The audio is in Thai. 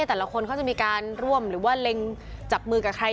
แต่ละคนเขาจะมีการร่วมหรือว่าเล็งจับมือกับใคร